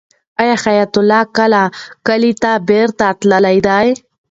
آیا حیات الله کله کلي ته بېرته تللی دی؟